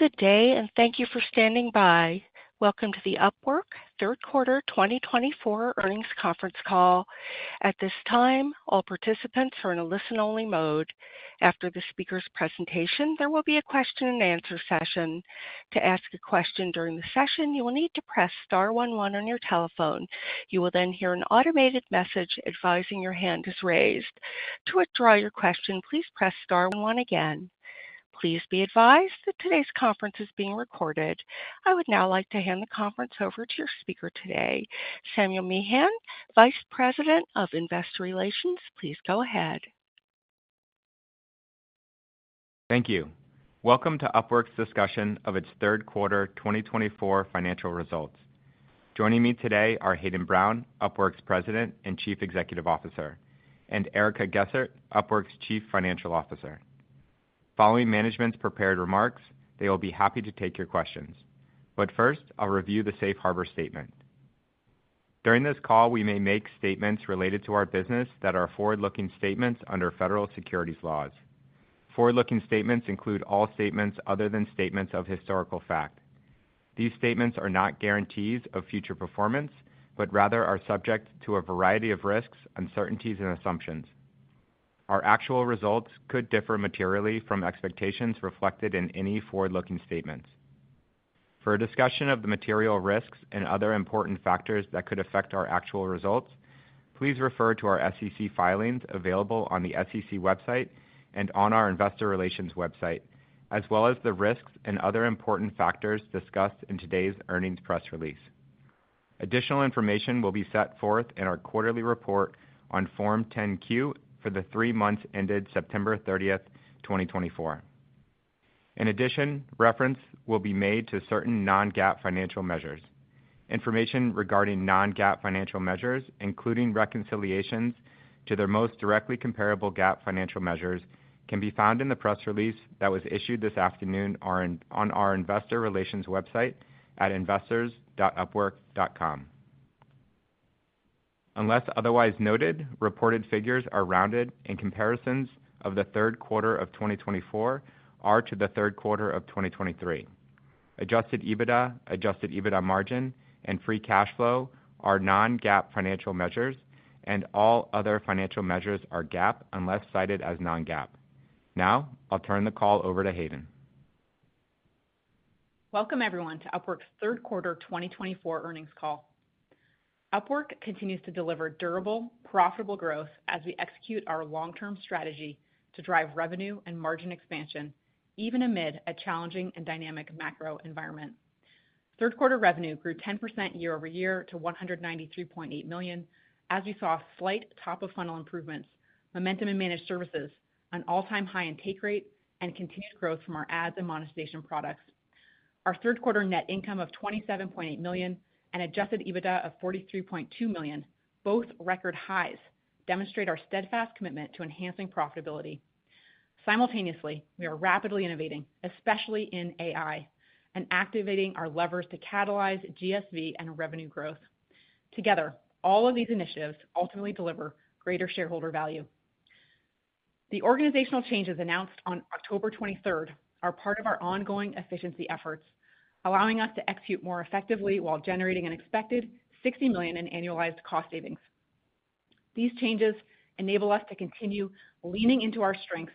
Good day, and thank you for standing by. Welcome to the Upwork Q3 2024 earnings conference call. At this time, all participants are in a listen-only mode. After the speaker's presentation, there will be a question-and-answer session. To ask a question during the session, you will need to press star 11 on your telephone. You will then hear an automated message advising your hand is raised. To withdraw your question, please press star 11 again. Please be advised that today's conference is being recorded. I would now like to hand the conference over to your speaker today, Samuel Meehan, Vice President of Investor Relations. Please go ahead. Thank you. Welcome to Upwork's discussion of its Q3 2024 financial results. Joining me today are Hayden Brown, Upwork's President and Chief Executive Officer, and Erica Gessert, Upwork's Chief Financial Officer. Following management's prepared remarks, they will be happy to take your questions. But first, I'll review the Safe Harbor Statement. During this call, we may make statements related to our business that are forward-looking statements under federal securities laws. Forward-looking statements include all statements other than statements of historical fact. These statements are not guarantees of future performance, but rather are subject to a variety of risks, uncertainties, and assumptions. Our actual results could differ materially from expectations reflected in any forward-looking statements. For a discussion of the material risks and other important factors that could affect our actual results, please refer to our SEC filings available on the SEC website and on our Investor Relations website, as well as the risks and other important factors discussed in today's earnings press release. Additional information will be set forth in our quarterly report on Form 10-Q for the three months ended September 30, 2024. In addition, reference will be made to certain non-GAAP financial measures. Information regarding non-GAAP financial measures, including reconciliations to their most directly comparable GAAP financial measures, can be found in the press release that was issued this afternoon on our Investor Relations website at investors.upwork.com. Unless otherwise noted, reported figures are rounded in comparisons of the Q3 of 2024 to the Q3 of 2023. Adjusted EBITDA, adjusted EBITDA margin, and free cash flow are non-GAAP financial measures, and all other financial measures are GAAP unless cited as non-GAAP. Now, I'll turn the call over to Hayden. Welcome, everyone, to Upwork's Q3 2024 earnings call. Upwork continues to deliver durable, profitable growth as we execute our long-term strategy to drive revenue and margin expansion, even amid a challenging and dynamic macro environment. Q3 revenue grew 10% year over year to $193.8 million, as we saw slight top-of-funnel improvements, momentum in managed services, an all-time high in take rate, and continued growth from our ads and monetization products. Our Q3 net income of $27.8 million and adjusted EBITDA of $43.2 million, both record highs, demonstrate our steadfast commitment to enhancing profitability. Simultaneously, we are rapidly innovating, especially in AI, and activating our levers to catalyze GSV and revenue growth. Together, all of these initiatives ultimately deliver greater shareholder value. The organizational changes announced on October 23 are part of our ongoing efficiency efforts, allowing us to execute more effectively while generating an expected $60 million in annualized cost savings. These changes enable us to continue leaning into our strengths,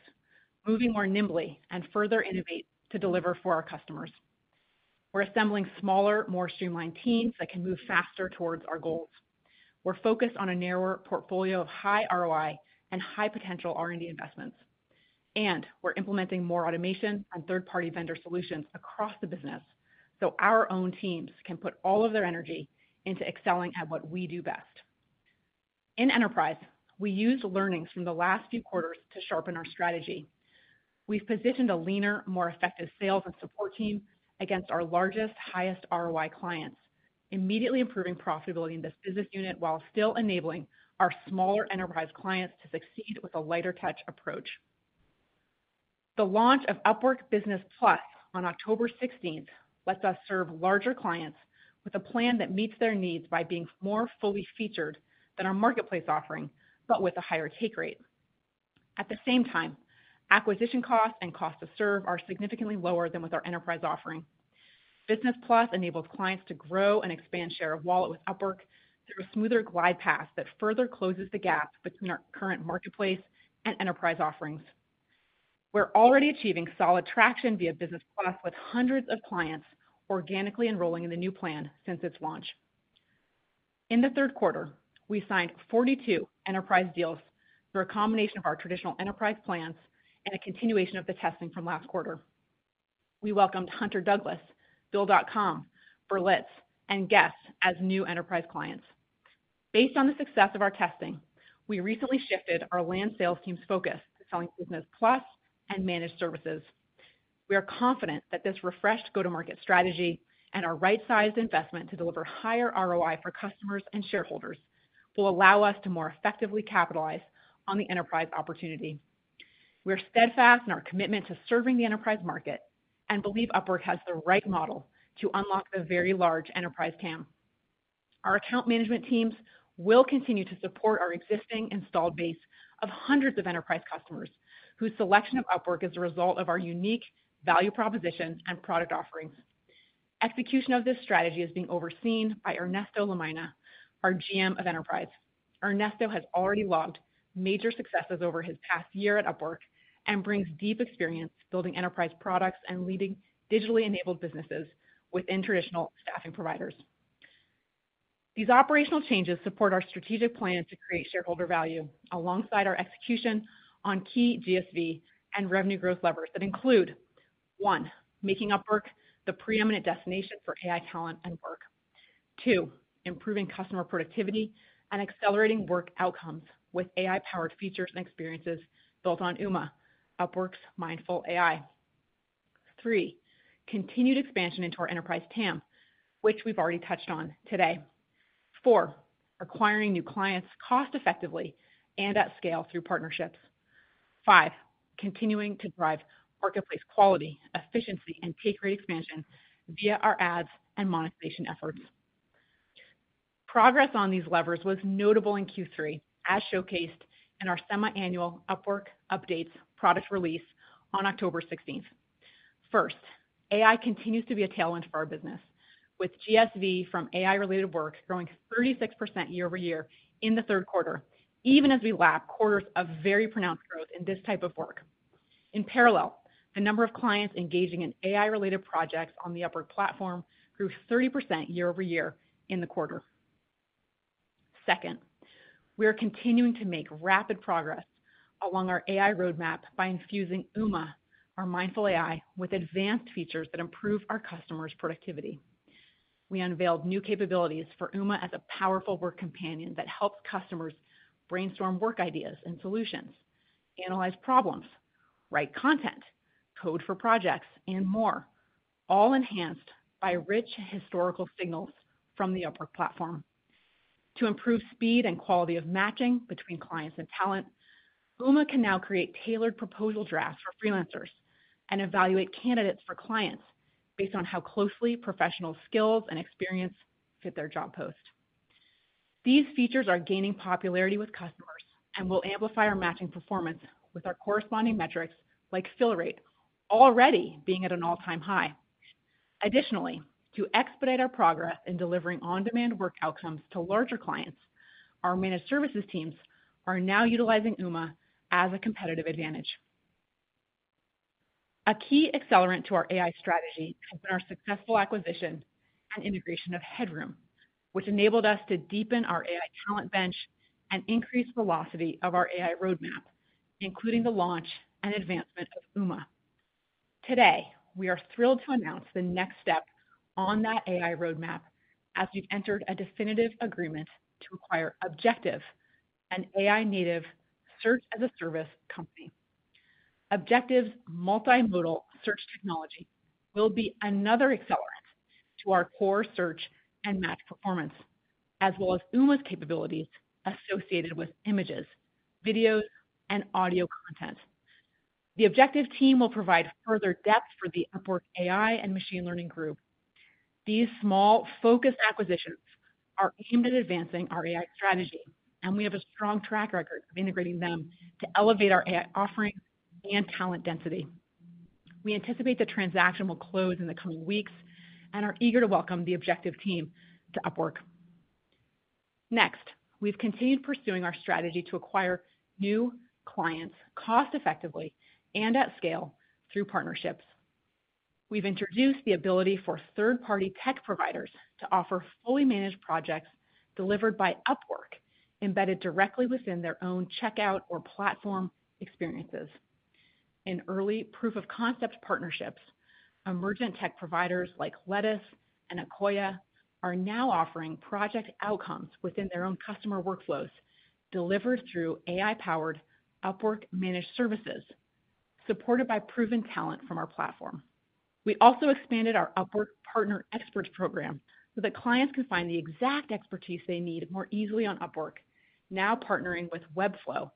moving more nimbly, and further innovate to deliver for our customers. We're assembling smaller, more streamlined teams that can move faster towards our goals. We're focused on a narrower portfolio of high ROI and high potential R&D investments, and we're implementing more automation and third-party vendor solutions across the business so our own teams can put all of their energy into excelling at what we do best. In enterprise, we used learnings from the last few quarters to sharpen our strategy. We've positioned a leaner, more effective sales and support team against our largest, highest ROI clients, immediately improving profitability in this business unit while still enabling our smaller enterprise clients to succeed with a lighter-touch approach. The launch of Upwork Business Plus on October 16 lets us serve larger clients with a plan that meets their needs by being more fully featured than our marketplace offering, but with a higher take rate. At the same time, acquisition costs and cost to serve are significantly lower than with our enterprise offering. Business Plus enables clients to grow and expand share of wallet with Upwork through a smoother glide path that further closes the gap between our current marketplace and enterprise offerings. We're already achieving solid traction via Business Plus with hundreds of clients organically enrolling in the new plan since its launch. In the Q3, we signed 42 enterprise deals through a combination of our traditional enterprise plans and a continuation of the testing from last quarter. We welcomed Hunter Douglas, Build.com, Berlitz, and Guess as new enterprise clients. Based on the success of our testing, we recently shifted our land sales team's focus to selling Business Plus and managed services. We are confident that this refreshed go-to-market strategy and our right-sized investment to deliver higher ROI for customers and shareholders will allow us to more effectively capitalize on the enterprise opportunity. We are steadfast in our commitment to serving the enterprise market and believe Upwork has the right model to unlock the very large enterprise CAM. Our account management teams will continue to support our existing installed base of hundreds of enterprise customers, whose selection of Upwork is the result of our unique value proposition and product offerings. Execution of this strategy is being overseen by Ernesto Lamaina, our GM of enterprise. Ernesto has already logged major successes over his past year at Upwork and brings deep experience building enterprise products and leading digitally enabled businesses within traditional staffing providers. These operational changes support our strategic plan to create shareholder value alongside our execution on key GSV and revenue growth levers that include, one, making Upwork the preeminent destination for AI talent and work. Two, improving customer productivity and accelerating work outcomes with AI-powered features and experiences built on Uma, Upwork's mindful AI. Three, continued expansion into our enterprise CAM, which we've already touched on today. Four, acquiring new clients cost-effectively and at scale through partnerships. Five, continuing to drive marketplace quality, efficiency, and take rate expansion via our ads and monetization efforts. Progress on these levers was notable in Q3, as showcased in our semi-annual Upwork Updates product release on October 16. First, AI continues to be a tailwind for our business, with GSV from AI-related work growing 36% year over year in the Q3, even as we lap quarters of very pronounced growth in this type of work. In parallel, the number of clients engaging in AI-related projects on the Upwork platform grew 30% year over year in the quarter. Second, we are continuing to make rapid progress along our AI roadmap by infusing Uma, our mindful AI, with advanced features that improve our customers' productivity. We unveiled new capabilities for Uma as a powerful work companion that helps customers brainstorm work ideas and solutions, analyze problems, write content, code for projects, and more, all enhanced by rich historical signals from the Upwork platform. To improve speed and quality of matching between clients and talent, Uma can now create tailored proposal drafts for freelancers and evaluate candidates for clients based on how closely professional skills and experience fit their job post. These features are gaining popularity with customers and will amplify our matching performance with our corresponding metrics, like fill rate, already being at an all-time high. Additionally, to expedite our progress in delivering on-demand work outcomes to larger clients, our managed services teams are now utilizing Uma as a competitive advantage. A key accelerant to our AI strategy has been our successful acquisition and integration of Headroom, which enabled us to deepen our AI talent bench and increase the velocity of our AI roadmap, including the launch and advancement of Uma. Today, we are thrilled to announce the next step on that AI roadmap as we've entered a definitive agreement to acquire Objective, an AI-native search-as-a-service company. Objective's multimodal search technology will be another accelerant to our core search and match performance, as well as Uma's capabilities associated with images, videos, and audio content. The Objective team will provide further depth for the Upwork AI and machine learning group. These small, focused acquisitions are aimed at advancing our AI strategy, and we have a strong track record of integrating them to elevate our AI offering and talent density. We anticipate the transaction will close in the coming weeks and are eager to welcome the Objective team to Upwork. Next, we've continued pursuing our strategy to acquire new clients cost-effectively and at scale through partnerships. We've introduced the ability for third-party tech providers to offer fully managed projects delivered by Upwork, embedded directly within their own checkout or platform experiences. In early proof-of-concept partnerships, emergent tech providers like Lattice and Akoya are now offering project outcomes within their own customer workflows delivered through AI-powered Upwork managed services, supported by proven talent from our platform. We also expanded our Upwork Partner Experts program so that clients can find the exact expertise they need more easily on Upwork, now partnering with Webflow,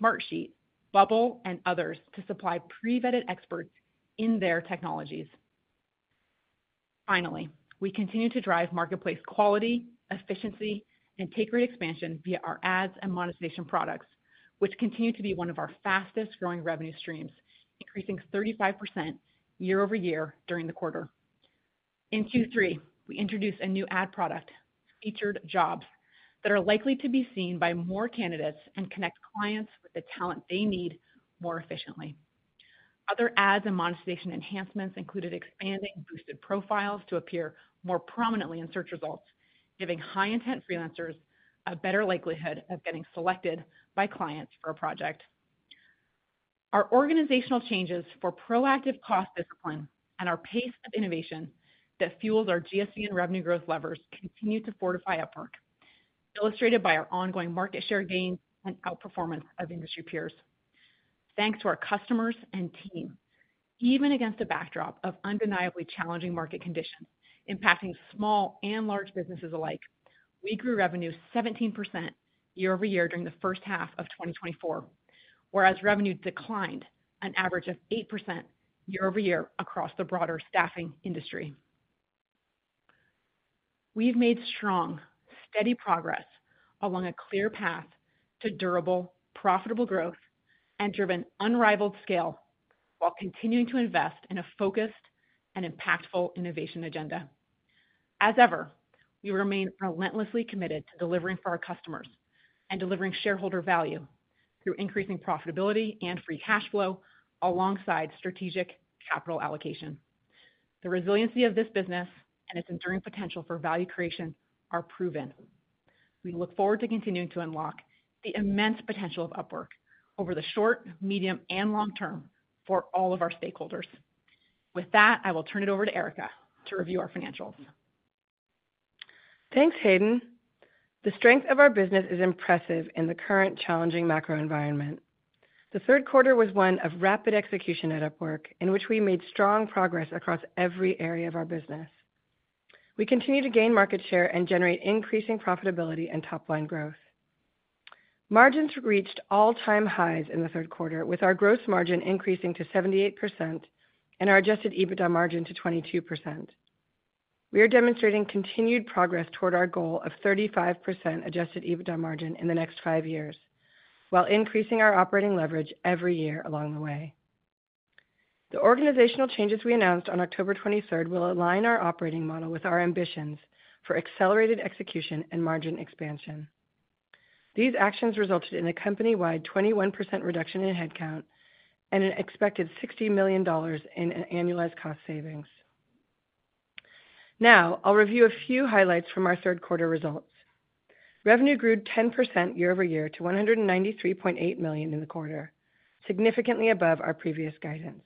Smartsheet, Bubble, and others to supply pre-vetted experts in their technologies. Finally, we continue to drive marketplace quality, efficiency, and take rate expansion via our ads and monetization products, which continue to be one of our fastest-growing revenue streams, increasing 35% year over year during the quarter. In Q3, we introduced a new ad product, Featured Jobs, that are likely to be seen by more candidates and connect clients with the talent they need more efficiently. Other ads and monetization enhancements included expanding Boosted profiles to appear more prominently in search results, giving high-intent freelancers a better likelihood of getting selected by clients for a project. Our organizational changes for proactive cost discipline and our pace of innovation that fuels our GSV and revenue growth levers continue to fortify Upwork, illustrated by our ongoing market share gains and outperformance of industry peers. Thanks to our customers and team, even against a backdrop of undeniably challenging market conditions impacting small and large businesses alike, we grew revenue 17% year over year during the first half of 2024, whereas revenue declined an average of 8% year over year across the broader staffing industry. We've made strong, steady progress along a clear path to durable, profitable growth and driven unrivaled scale while continuing to invest in a focused and impactful innovation agenda. As ever, we remain relentlessly committed to delivering for our customers and delivering shareholder value through increasing profitability and free cash flow alongside strategic capital allocation. The resiliency of this business and its enduring potential for value creation are proven. We look forward to continuing to unlock the immense potential of Upwork over the short, medium, and long term for all of our stakeholders. With that, I will turn it over to Erica to review our financials. Thanks, Hayden. The strength of our business is impressive in the current challenging macro environment. The Q3 was one of rapid execution at Upwork, in which we made strong progress across every area of our business. We continue to gain market share and generate increasing profitability and top-line growth. Margins reached all-time highs in the Q3, with our gross margin increasing to 78% and our adjusted EBITDA margin to 22%. We are demonstrating continued progress toward our goal of 35% adjusted EBITDA margin in the next five years, while increasing our operating leverage every year along the way. The organizational changes we announced on October 23 will align our operating model with our ambitions for accelerated execution and margin expansion. These actions resulted in a company-wide 21% reduction in headcount and an expected $60 million in annualized cost savings. Now, I'll review a few highlights from our Q3 results. Revenue grew 10% year over year to $193.8 million in the quarter, significantly above our previous guidance.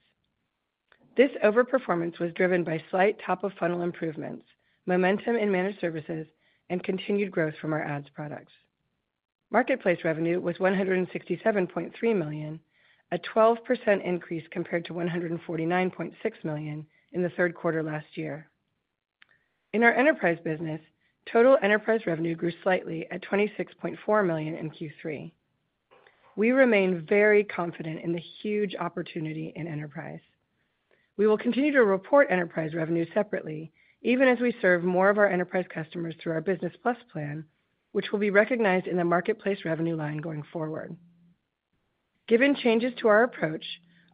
This overperformance was driven by slight top-of-funnel improvements, momentum in managed services, and continued growth from our ads products. Marketplace revenue was $167.3 million, a 12% increase compared to $149.6 million in the Q3 last year. In our enterprise business, total enterprise revenue grew slightly at $26.4 million in Q3. We remain very confident in the huge opportunity in enterprise. We will continue to report enterprise revenue separately, even as we serve more of our enterprise customers through our Business Plus plan, which will be recognized in the marketplace revenue line going forward. Given changes to our approach,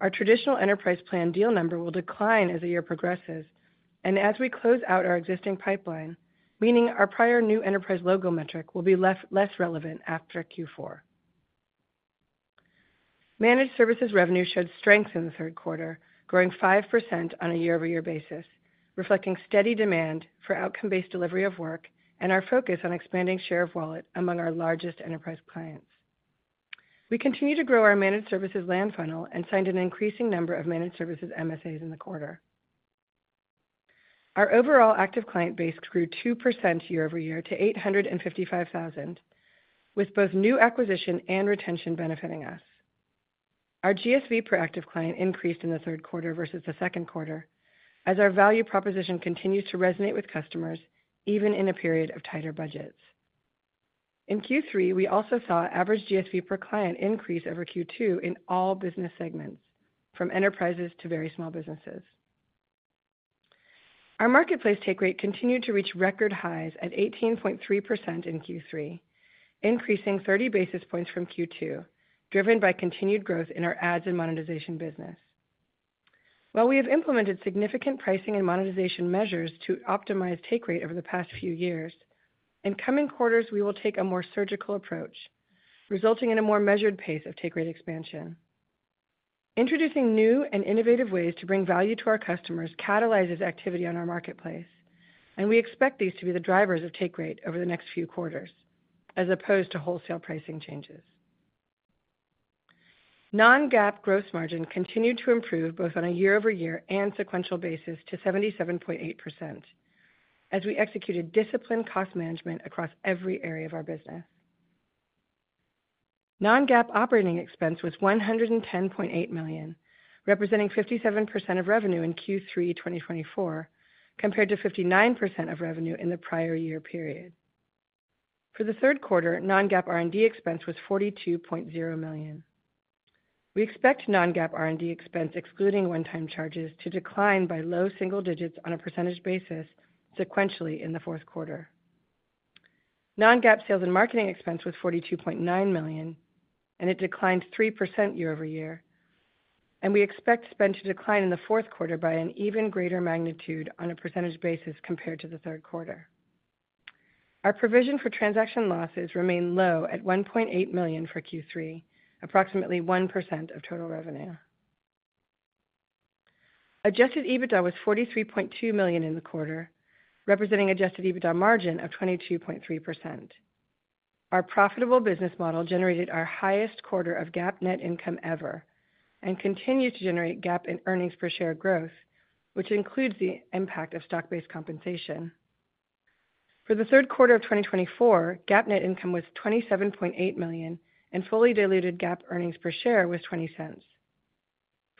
our traditional enterprise plan deal number will decline as the year progresses, and as we close out our existing pipeline, meaning our prior new enterprise logo metric will be less relevant after Q4. Managed services revenue showed strength in the Q3, growing 5% on a year-over-year basis, reflecting steady demand for outcome-based delivery of work and our focus on expanding share of wallet among our largest enterprise clients. We continue to grow our managed services land funnel and signed an increasing number of managed services MSAs in the quarter. Our overall active client base grew 2% year over year to 855,000, with both new acquisition and retention benefiting us. Our GSV per active client increased in the Q3 versus the Q2, as our value proposition continues to resonate with customers even in a period of tighter budgets. In Q3, we also saw average GSV per client increase over Q2 in all business segments, from enterprises to very small businesses. Our marketplace take rate continued to reach record highs at 18.3% in Q3, increasing 30 basis points from Q2, driven by continued growth in our ads and monetization business. While we have implemented significant pricing and monetization measures to optimize take rate over the past few years, in coming quarters, we will take a more surgical approach, resulting in a more measured pace of take rate expansion. Introducing new and innovative ways to bring value to our customers catalyzes activity on our marketplace, and we expect these to be the drivers of take rate over the next few quarters, as opposed to wholesale pricing changes. Non-GAAP gross margin continued to improve both on a year-over-year and sequential basis to 77.8%, as we executed disciplined cost management across every area of our business. Non-GAAP operating expense was $110.8 million, representing 57% of revenue in Q3 2024, compared to 59% of revenue in the prior year period. For the Q3, non-GAAP R&D expense was $42.0 million. We expect non-GAAP R&D expense, excluding one-time charges, to decline by low single digits on a percentage basis sequentially in the Q4. Non-GAAP sales and marketing expense was $42.9 million, and it declined 3% year over year, and we expect spend to decline in the Q4 by an even greater magnitude on a percentage basis compared to the Q3. Our provision for transaction losses remained low at $1.8 million for Q3, approximately 1% of total revenue. Adjusted EBITDA was $43.2 million in the quarter, representing adjusted EBITDA margin of 22.3%. Our profitable business model generated our highest quarter of GAAP net income ever and continues to generate GAAP earnings per share growth, which includes the impact of stock-based compensation. For the Q3 of 2024, GAAP net income was $27.8 million, and fully diluted GAAP earnings per share was $0.20.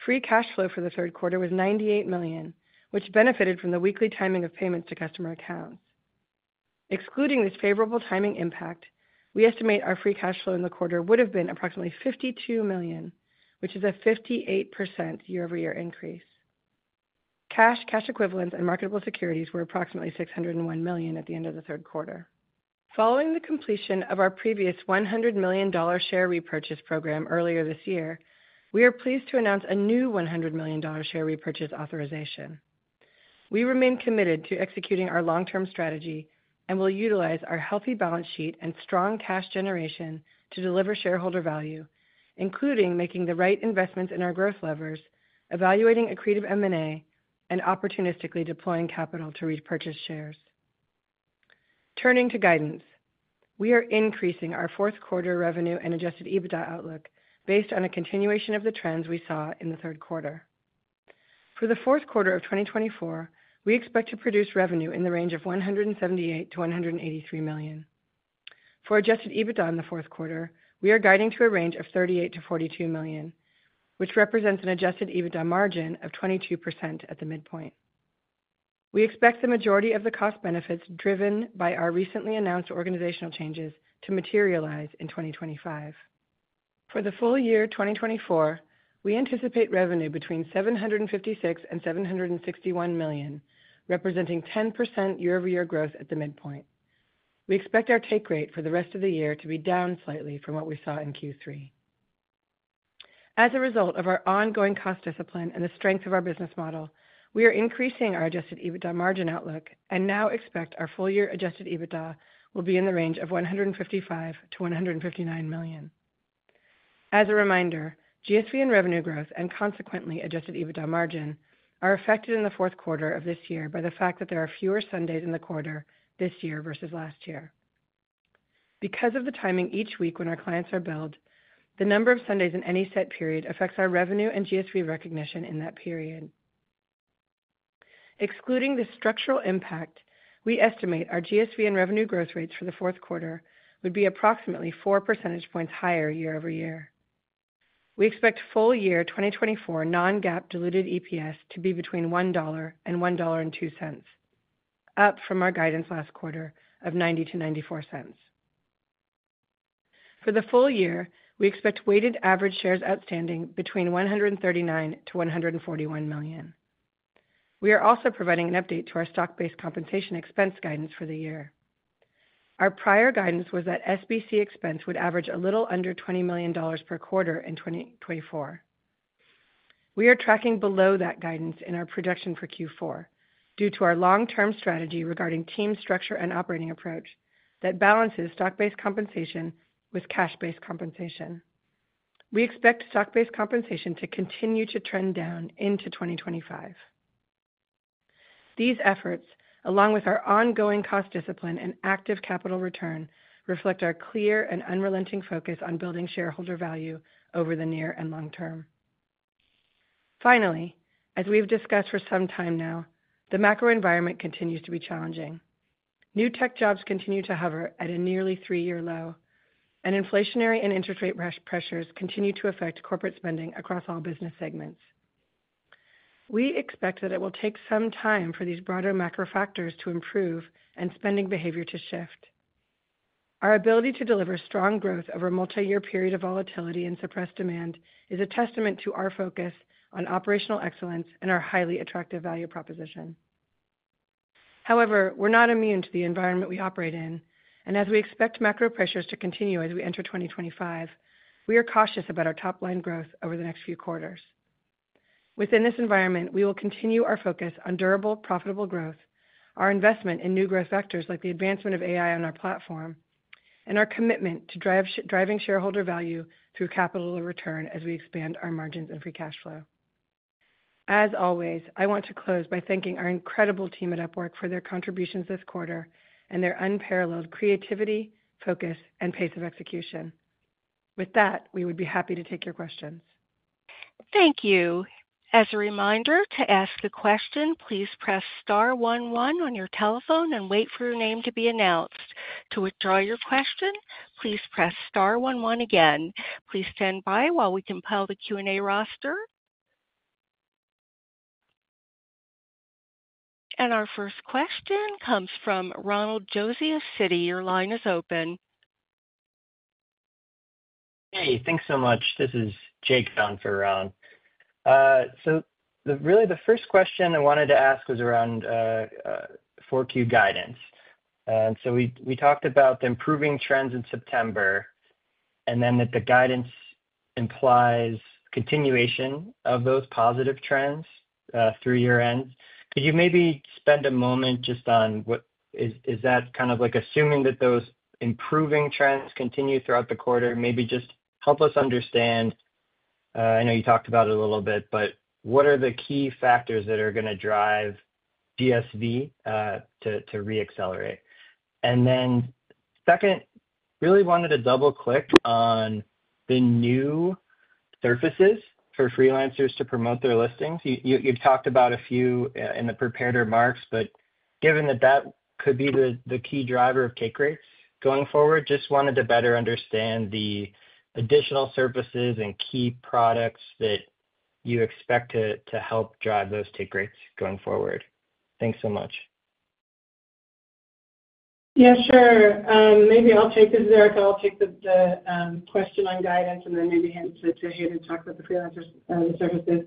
Free cash flow for the Q3 was $98 million, which benefited from the weekly timing of payments to customer accounts. Excluding this favorable timing impact, we estimate our free cash flow in the quarter would have been approximately $52 million, which is a 58% year-over-year increase. Cash, cash equivalents, and marketable securities were approximately $601 million at the end of the Q3. Following the completion of our previous $100 million share repurchase program earlier this year, we are pleased to announce a new $100 million share repurchase authorization. We remain committed to executing our long-term strategy and will utilize our healthy balance sheet and strong cash generation to deliver shareholder value, including making the right investments in our growth levers, evaluating accretive M&A, and opportunistically deploying capital to repurchase shares. Turning to guidance, we are increasing our Q4 revenue and Adjusted EBITDA outlook based on a continuation of the trends we saw in the Q3. For the Q4 of 2024, we expect to produce revenue in the range of $178-$183 million. For Adjusted EBITDA in the Q4, we are guiding to a range of $38-$42 million, which represents an Adjusted EBITDA margin of 22% at the midpoint. We expect the majority of the cost benefits driven by our recently announced organizational changes to materialize in 2025. For the full year 2024, we anticipate revenue between $756-$761 million, representing 10% year-over-year growth at the midpoint. We expect our take rate for the rest of the year to be down slightly from what we saw in Q3. As a result of our ongoing cost discipline and the strength of our business model, we are increasing our adjusted EBITDA margin outlook and now expect our full-year adjusted EBITDA will be in the range of $155-$159 million. As a reminder, GSV and revenue growth, and consequently adjusted EBITDA margin, are affected in the Q4 of this year by the fact that there are fewer Sundays in the quarter this year versus last year. Because of the timing each week when our clients are billed, the number of Sundays in any set period affects our revenue and GSV recognition in that period. Excluding this structural impact, we estimate our GSV and revenue growth rates for the Q4 would be approximately 4 percentage points higher year over year. We expect full-year 2024 non-GAAP diluted EPS to be between $1 and $1.02, up from our guidance last quarter of $0.90 to $0.94. For the full year, we expect weighted average shares outstanding between 139 to 141 million. We are also providing an update to our stock-based compensation expense guidance for the year. Our prior guidance was that SBC expense would average a little under $20 million per quarter in 2024. We are tracking below that guidance in our projection for Q4 due to our long-term strategy regarding team structure and operating approach that balances stock-based compensation with cash-based compensation. We expect stock-based compensation to continue to trend down into 2025. These efforts, along with our ongoing cost discipline and active capital return, reflect our clear and unrelenting focus on building shareholder value over the near and long term. Finally, as we have discussed for some time now, the macro environment continues to be challenging. New tech jobs continue to hover at a nearly three-year low, and inflationary and interest rate pressures continue to affect corporate spending across all business segments. We expect that it will take some time for these broader macro factors to improve and spending behavior to shift. Our ability to deliver strong growth over a multi-year period of volatility and suppressed demand is a testament to our focus on operational excellence and our highly attractive value proposition. However, we're not immune to the environment we operate in, and as we expect macro pressures to continue as we enter 2025, we are cautious about our top-line growth over the next few quarters. Within this environment, we will continue our focus on durable, profitable growth, our investment in new growth vectors like the advancement of AI on our platform, and our commitment to driving shareholder value through capital return as we expand our margins and free cash flow. As always, I want to close by thanking our incredible team at Upwork for their contributions this quarter and their unparalleled creativity, focus, and pace of execution. With that, we would be happy to take your questions. Thank you. As a reminder, to ask a question, please press star 11 on your telephone and wait for your name to be announced. To withdraw your question, please press star 11 again. Please stand by while we compile the Q&A roster. And our first question comes from Ronald Josey. Your line is open. Hey, thanks so much. This is Jake on for Ron. So really, the first question I wanted to ask was around 4Q guidance. And so we talked about the improving trends in September and then that the guidance implies continuation of those positive trends through year-end. Could you maybe spend a moment just on what is that kind of like assuming that those improving trends continue throughout the quarter? Maybe just help us understand. I know you talked about it a little bit, but what are the key factors that are going to drive GSV to re-accelerate? And then second, really wanted to double-click on the new surfaces for freelancers to promote their listings. You've talked about a few in the prepared remarks, but given that that could be the key driver of take rates going forward, just wanted to better understand the additional surfaces and key products that you expect to help drive those take rates going forward. Thanks so much. Yeah, sure. Maybe I'll take this. This is Erica. I'll take the question on guidance and then maybe hand it to Hayden to talk about the freelancer surfaces.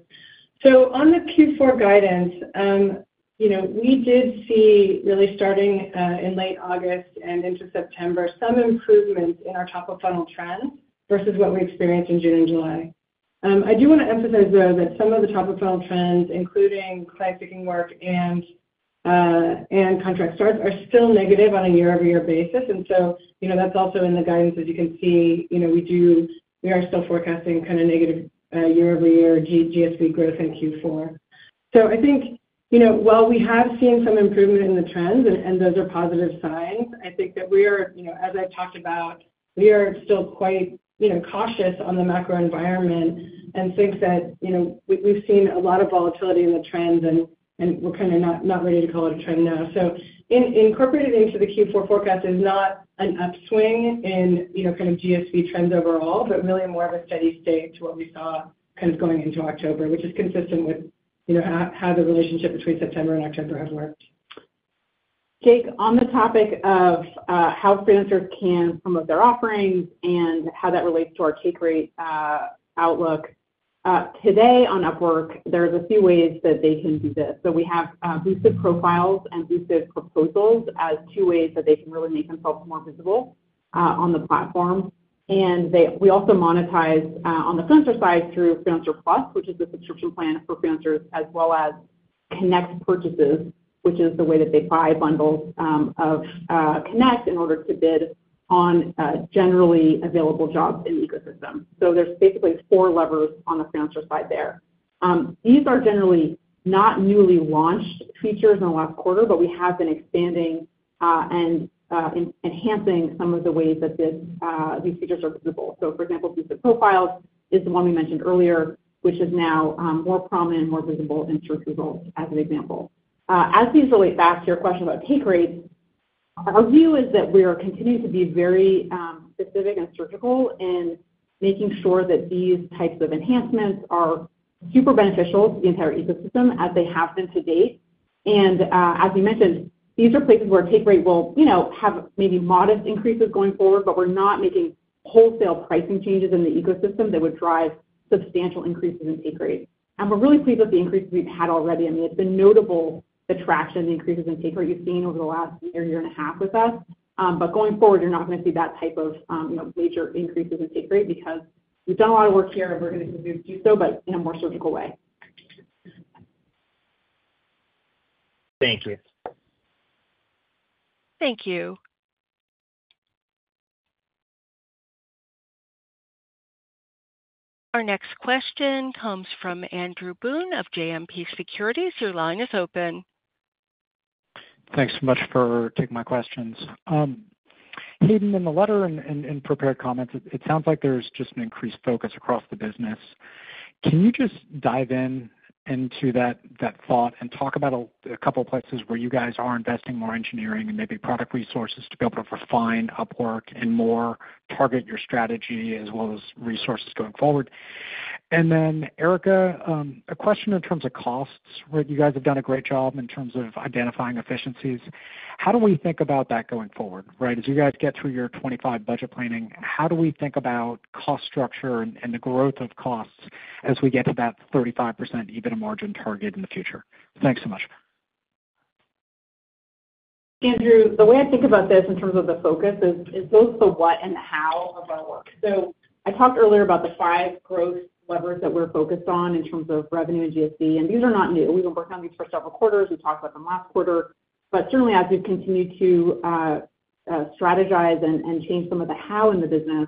So on the Q4 guidance, we did see really starting in late August and into September some improvements in our top-of-funnel trends versus what we experienced in June and July. I do want to emphasize, though, that some of the top-of-funnel trends, including client-seeking work and contract starts, are still negative on a year-over-year basis. And so that's also in the guidance, as you can see. We are still forecasting kind of negative year-over-year GSV growth in Q4. So I think while we have seen some improvement in the trends, and those are positive signs, I think that we are, as I've talked about, we are still quite cautious on the macro environment and think that we've seen a lot of volatility in the trends, and we're kind of not ready to call it a trend now. So incorporated into the Q4 forecast is not an upswing in kind of GSV trends overall, but really more of a steady state to what we saw kind of going into October, which is consistent with how the relationship between September and October have worked. Jake, on the topic of how freelancers can promote their offerings and how that relates to our Take Rate outlook, today on Upwork, there are a few ways that they can do this. So we have Boosted Profiles and Boosted Proposals as two ways that they can really make themselves more visible on the platform. And we also monetize on the freelancer side through Freelancer Plus, which is the subscription plan for freelancers, as well as Connect Purchases, which is the way that they buy bundles of Connect in order to bid on generally available jobs in the ecosystem. So there's basically four levers on the freelancer side there. These are generally not newly launched features in the last quarter, but we have been expanding and enhancing some of the ways that these features are visible. So, for example, Boosted Profiles is the one we mentioned earlier, which is now more prominent and more visible in search results as an example. As these relate back to your question about Take Rates, our view is that we are continuing to be very specific and surgical in making sure that these types of enhancements are super beneficial to the entire ecosystem as they have been to date. And as we mentioned, these are places where Take Rate will have maybe modest increases going forward, but we're not making wholesale pricing changes in the ecosystem that would drive substantial increases in Take Rate. And we're really pleased with the increases we've had already. I mean, it's been notable the traction, the increases in Take Rate you've seen over the last year, year and a half with us. But going forward, you're not going to see that type of major increases in take rate because we've done a lot of work here, and we're going to do so, but in a more surgical way. Thank you. Thank you. Our next question comes from Andrew Boone of JMP Securities. Your line is open. Thanks so much for taking my questions. Hayden, in the letter and in prepared comments, it sounds like there's just an increased focus across the business. Can you just dive into that thought and talk about a couple of places where you guys are investing more engineering and maybe product resources to be able to refine Upwork and more target your strategy as well as resources going forward? And then, Erica, a question in terms of costs, right? You guys have done a great job in terms of identifying efficiencies. How do we think about that going forward, right? As you guys get through your 2025 budget planning, how do we think about cost structure and the growth of costs as we get to that 35% EBITDA margin target in the future? Thanks so much. Andrew, the way I think about this in terms of the focus is both the what and the how of our work. So I talked earlier about the five growth levers that we're focused on in terms of revenue and GSV, and these are not new. We've been working on these for several quarters. We talked about them last quarter. But certainly, as we've continued to strategize and change some of the how in the business,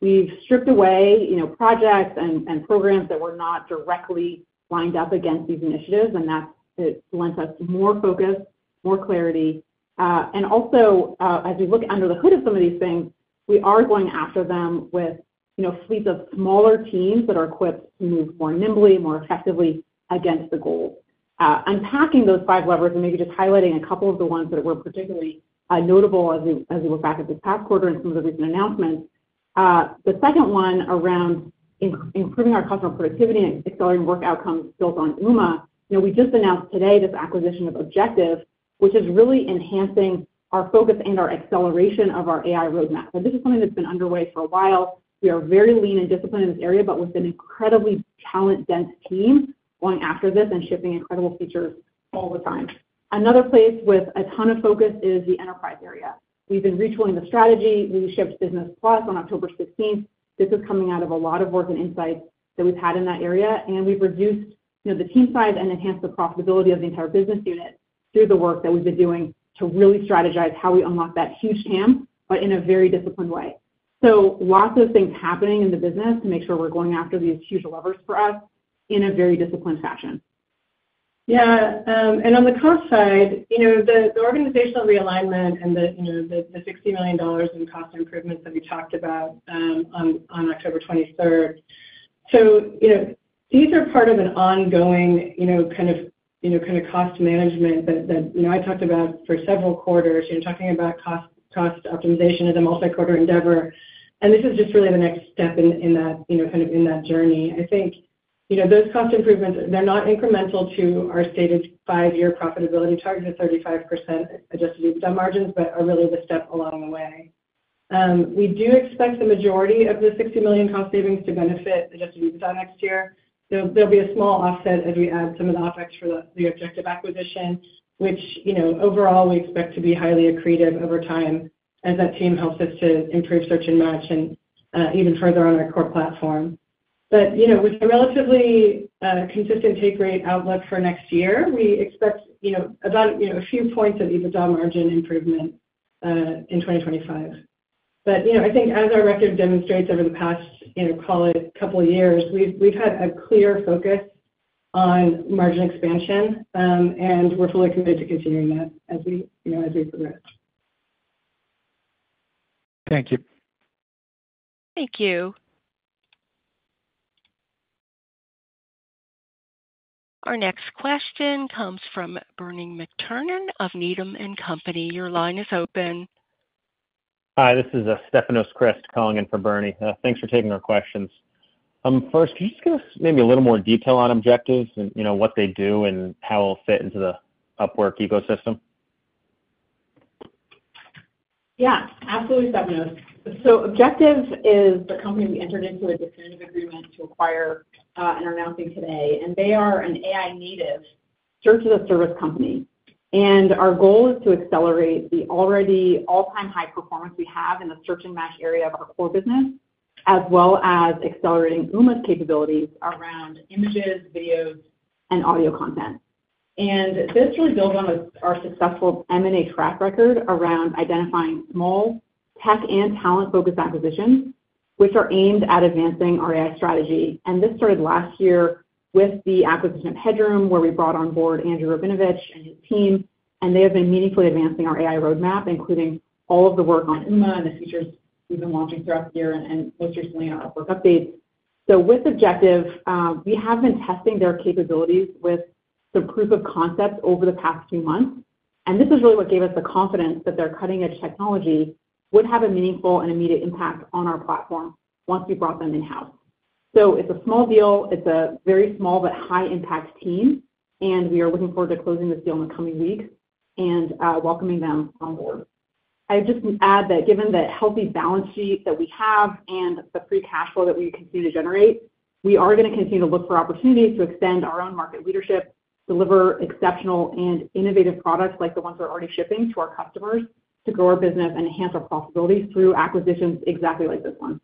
we've stripped away projects and programs that were not directly lined up against these initiatives, and that's lent us more focus, more clarity. And also, as we look under the hood of some of these things, we are going after them with fleets of smaller teams that are equipped to move more nimbly, more effectively against the goals. Unpacking those five levers and maybe just highlighting a couple of the ones that were particularly notable as we look back at this past quarter and some of the recent announcements. The second one around improving our customer productivity and accelerating work outcomes built on Uma. We just announced today this acquisition of` Objective, which is really enhancing our focus and our acceleration of our AI roadmap, and this is something that's been underway for a while. We are very lean and disciplined in this area, but with an incredibly talent-dense team going after this and shipping incredible features all the time. Another place with a ton of focus is the enterprise area. We've been retooling the strategy. We shipped Business Plus on October 16th. This is coming out of a lot of work and insights that we've had in that area. We've reduced the team size and enhanced the profitability of the entire business unit through the work that we've been doing to really strategize how we unlock that huge TAM, but in a very disciplined way. Lots of things happening in the business to make sure we're going after these huge levers for us in a very disciplined fashion. Yeah. And on the cost side, the organizational realignment and the $60 million in cost improvements that we talked about on October 23rd. So these are part of an ongoing kind of cost management that I talked about for several quarters, talking about cost optimization as a multi-quarter endeavor. And this is just really the next step in that kind of journey. I think those cost improvements, they're not incremental to our stated five-year profitability target of 35% adjusted EBITDA margins, but are really the step along the way. We do expect the majority of the $60 million cost savings to benefit adjusted EBITDA next year. There'll be a small offset as we add some of the OpEx for the Objective acquisition, which overall we expect to be highly accretive over time as that team helps us to improve search and match and even further on our core platform. But with a relatively consistent take rate outlook for next year, we expect about a few points of EBITDA margin improvement in 2025. But I think as our record demonstrates over the past, call it, couple of years, we've had a clear focus on margin expansion, and we're fully committed to continuing that as we progress. Thank you. Thank you. Our next question comes from Bernie McTernan of Needham & Company. Your line is open. Hi, this is Stefanos Crist calling in for Bernie. Thanks for taking our questions. First, could you just give us maybe a little more detail on Objective and what they do and how it'll fit into the Upwork ecosystem? Yeah, absolutely, Stefanos. So Objective is the company we entered into a definitive agreement to acquire and are announcing today, and they are an AI-native search-as-a-service company, and our goal is to accelerate the already all-time high performance we have in the search and match area of our core business, as well as accelerating Uma's capabilities around images, videos, and audio content. And this really builds on our successful M&A track record around identifying small tech and talent-focused acquisitions, which are aimed at advancing our AI strategy, and this started last year with the acquisition of Headroom, where we brought on board Andrew Rabinovich and his team. And they have been meaningfully advancing our AI roadmap, including all of the work on Uma and the features we've been launching throughout the year and most recently in our Upwork updates. With Objective, we have been testing their capabilities with some proof of concept over the past few months. This is really what gave us the confidence that their cutting-edge technology would have a meaningful and immediate impact on our platform once we brought them in-house. It's a small deal. It's a very small but high-impact team. We are looking forward to closing this deal in the coming weeks and welcoming them on board. I just add that given the healthy balance sheet that we have and the free cash flow that we continue to generate, we are going to continue to look for opportunities to extend our own market leadership, deliver exceptional and innovative products like the ones we're already shipping to our customers to grow our business and enhance our profitability through acquisitions exactly like this one.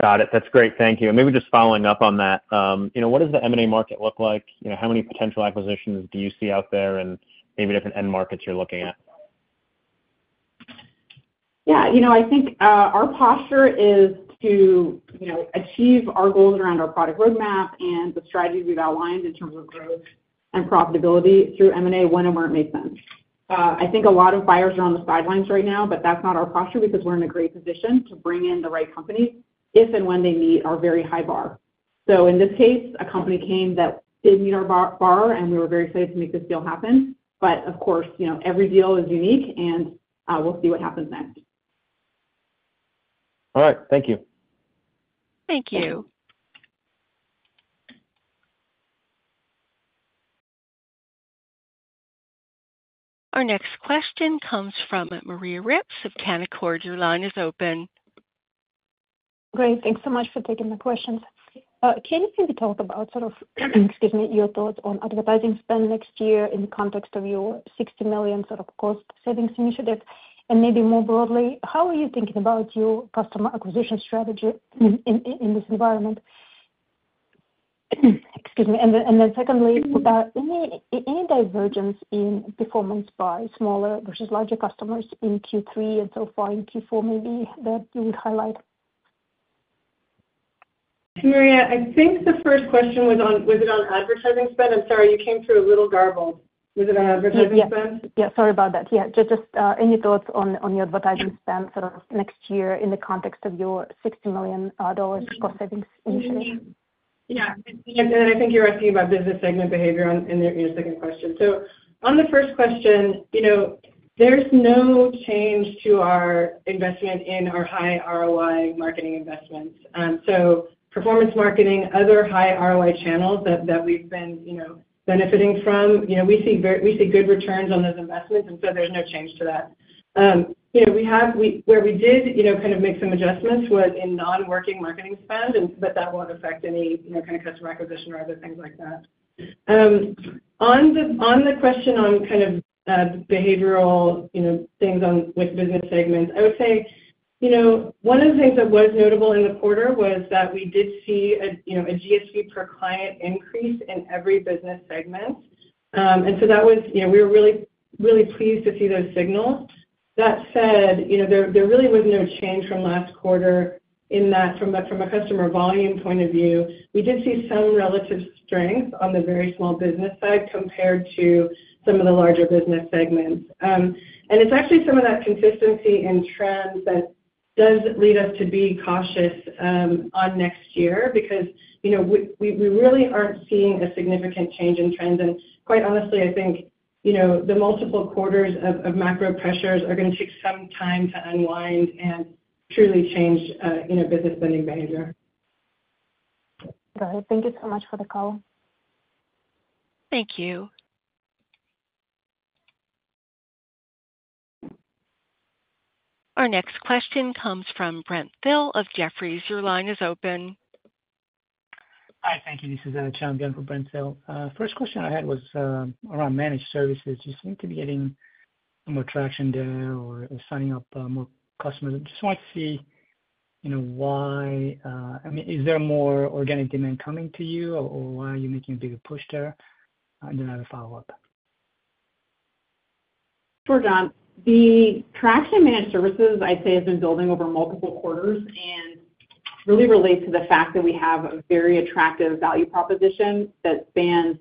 Got it. That's great. Thank you. And maybe just following up on that, what does the M&A market look like? How many potential acquisitions do you see out there and maybe different end markets you're looking at? Yeah. I think our posture is to achieve our goals around our product roadmap and the strategy we've outlined in terms of growth and profitability through M&A when and where it makes sense. I think a lot of buyers are on the sidelines right now, but that's not our posture because we're in a great position to bring in the right company if and when they meet our very high bar. So in this case, a company came that did meet our bar, and we were very excited to make this deal happen. But of course, every deal is unique, and we'll see what happens next. All right. Thank you. Thank you. Our next question comes from Maria Ripps of Canaccord Genuity. Your line is open. Great. Thanks so much for taking the questions. Can you simply talk about sort of, excuse me, your thoughts on advertising spend next year in the context of your $60 million sort of cost savings initiative? And maybe more broadly, how are you thinking about your customer acquisition strategy in this environment? Excuse me. And then secondly, any divergence in performance by smaller versus larger customers in Q3 and so far in Q4 maybe that you would highlight? Maria, I think the first question was on, was it on advertising spend? I'm sorry, you came through a little garbled. Was it on advertising spend? Yeah. Sorry about that. Yeah. Just any thoughts on your advertising spend sort of next year in the context of your $60 million cost savings initially? Yeah. And I think you're asking about business segment behavior in your second question. So on the first question, there's no change to our investment in our high ROI marketing investments. So performance marketing, other high ROI channels that we've been benefiting from, we see good returns on those investments, and so there's no change to that. Where we did kind of make some adjustments was in non-working marketing spend, but that won't affect any kind of customer acquisition or other things like that. On the question on kind of behavioral things with business segments, I would say one of the things that was notable in the quarter was that we did see a GSV per client increase in every business segment. And so we were really pleased to see those signals. That said, there really was no change from last quarter in that, from a customer volume point of view. We did see some relative strength on the very small business side compared to some of the larger business segments, and it's actually some of that consistency and trend that does lead us to be cautious on next year because we really aren't seeing a significant change in trends, and quite honestly, I think the multiple quarters of macro pressures are going to take some time to unwind and truly change in a business spending behavior. Got it. Thank you so much for the call. Thank you. Our next question comes from Brent Thill of Jefferies. Your line is open. Hi. Thank you. This is Brent Thill from Jefferies. First question I had was around managed services. You seem to be getting more traction there or signing up more customers. Just wanted to see why I mean, is there more organic demand coming to you, or why are you making a bigger push there? And then I have a follow-up. Sure, John. The traction in managed services, I'd say, has been building over multiple quarters and really relates to the fact that we have a very attractive value proposition that spans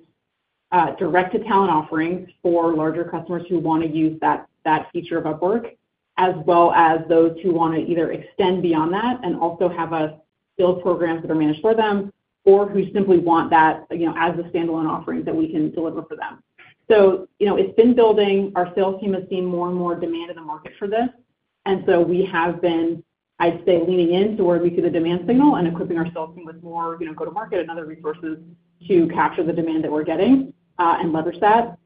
direct-to-talent offerings for larger customers who want to use that feature of Upwork, as well as those who want to either extend beyond that and also have a build program that are managed for them or who simply want that as a standalone offering that we can deliver for them. So it's been building. Our sales team has seen more and more demand in the market for this. And so we have been, I'd say, leaning into where we see the demand signal and equipping our sales team with more go-to-market and other resources to capture the demand that we're getting and leverage that.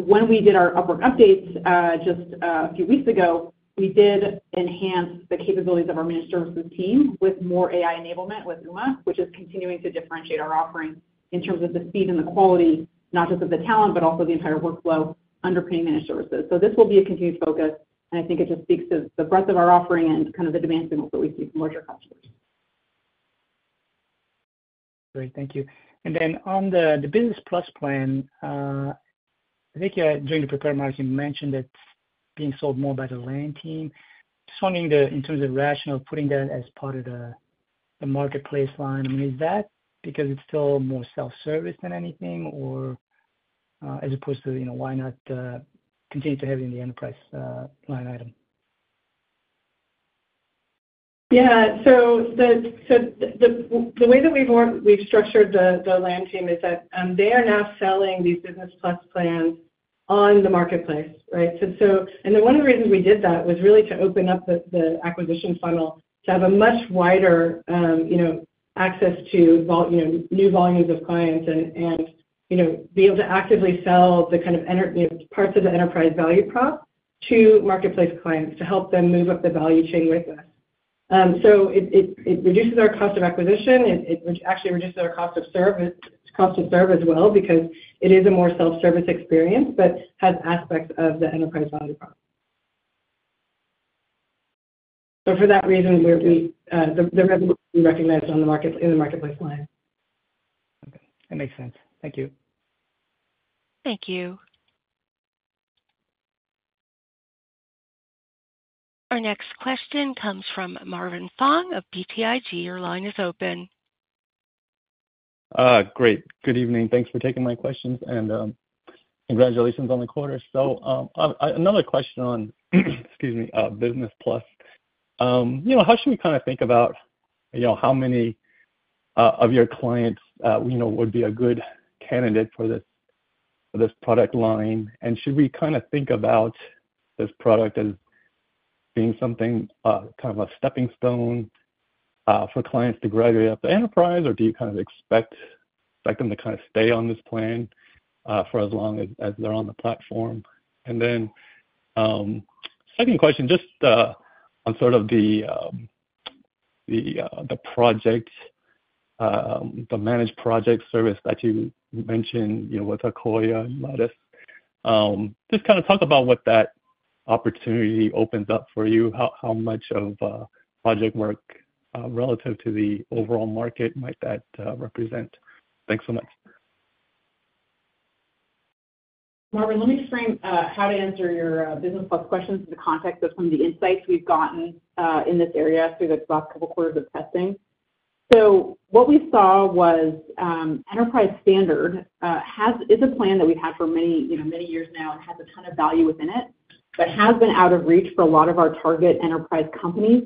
When we did our Upwork updates just a few weeks ago, we did enhance the capabilities of our managed services team with more AI enablement with Uma, which is continuing to differentiate our offering in terms of the speed and the quality, not just of the talent, but also the entire workflow underpinning managed services. So this will be a continued focus. And I think it just speaks to the breadth of our offering and kind of the demand signals that we see from larger customers. Great. Thank you. And then on the Business Plus plan, I think during the prepared remarks, you mentioned that being sold more by the sales team. Just wondering in terms of rationale, putting that as part of the marketplace line. I mean, is that because it's still more self-service than anything, or as opposed to why not continue to have it in the enterprise line item? Yeah. So the way that we've structured the land team is that they are now selling these Business Plus plans on the marketplace, right? And then one of the reasons we did that was really to open up the acquisition funnel to have a much wider access to new volumes of clients and be able to actively sell the kind of parts of the enterprise value prop to marketplace clients to help them move up the value chain with us. So it reduces our cost of acquisition. It actually reduces our cost of service as well because it is a more self-service experience but has aspects of the enterprise value prop. So for that reason, the revenue is recognized in the marketplace line. Okay. That makes sense. Thank you. Thank you. Our next question comes from Marvin Fong of BTIG. Your line is open. Great. Good evening. Thanks for taking my questions. And congratulations on the quarter. So another question on, excuse me, Business Plus. How should we kind of think about how many of your clients would be a good candidate for this product line? And should we kind of think about this product as being something kind of a stepping stone for clients to graduate up to enterprise, or do you kind of expect them to kind of stay on this plan for as long as they're on the platform? And then second question, just on sort of the project, the managed project service that you mentioned with Akoya and Lattice. Just kind of talk about what that opportunity opens up for you, how much of project work relative to the overall market might that represent. Thanks so much. Marvin, let me explain how to answer your Business Plus questions in the context of some of the insights we've gotten in this area through the last couple of quarters of testing. So what we saw was Enterprise Standard is a plan that we've had for many years now and has a ton of value within it, but has been out of reach for a lot of our target enterprise companies,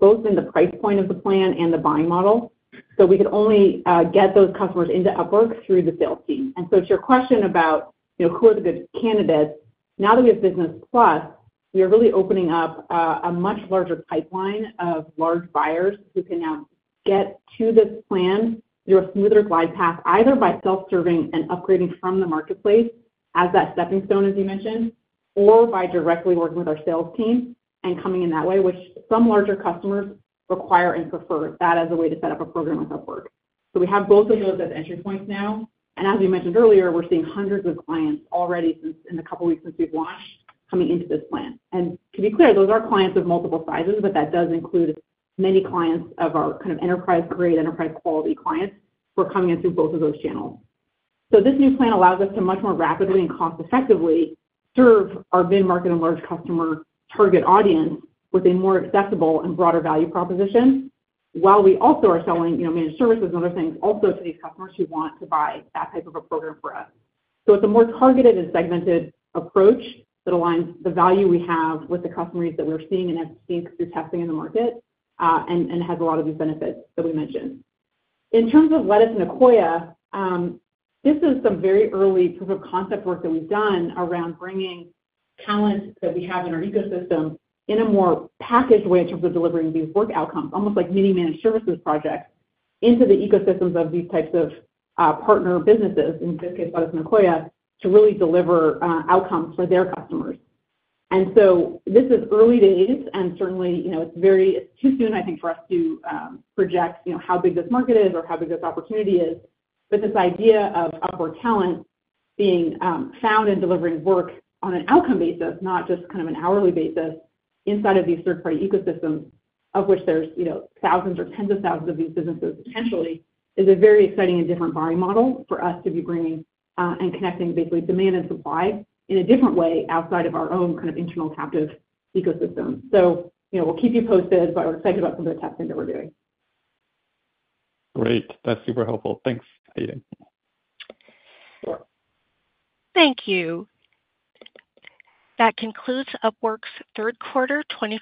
both in the price point of the plan and the buying model. So we could only get those customers into Upwork through the sales team. And so to your question about who are the good candidates, now that we have Business Plus, we are really opening up a much larger pipeline of large buyers who can now get to this plan through a smoother glide path, either by self-serving and upgrading from the marketplace as that stepping stone, as you mentioned, or by directly working with our sales team and coming in that way, which some larger customers require and prefer that as a way to set up a program with Upwork. So we have both of those as entry points now. And as we mentioned earlier, we're seeing hundreds of clients already in the couple of weeks since we've launched coming into this plan. And to be clear, those are clients of multiple sizes, but that does include many clients of our kind of enterprise-grade, enterprise-quality clients who are coming in through both of those channels. So this new plan allows us to much more rapidly and cost-effectively serve our mid-market and large customer target audience with a more accessible and broader value proposition, while we also are selling managed services and other things also to these customers who want to buy that type of a program for us. So it's a more targeted and segmented approach that aligns the value we have with the customers that we're seeing and have seen through testing in the market and has a lot of these benefits that we mentioned. In terms of Lattice and Akoya, this is some very early proof of concept work that we've done around bringing talent that we have in our ecosystem in a more packaged way in terms of delivering these work outcomes, almost like mini managed services projects into the ecosystems of these types of partner businesses, in this case, Lattice and Akoya, to really deliver outcomes for their customers, and so this is early days, and certainly, it's too soon, I think, for us to project how big this market is or how big this opportunity is. But this idea of Upwork talent being found and delivering work on an outcome basis, not just kind of an hourly basis inside of these third-party ecosystems, of which there's thousands or tens of thousands of these businesses potentially, is a very exciting and different buying model for us to be bringing and connecting basically demand and supply in a different way outside of our own kind of internal captive ecosystem. So we'll keep you posted, but we're excited about some of the testing that we're doing. Great. That's super helpful. Thanks, Aidan. Thank you. That concludes Upwork's Q3.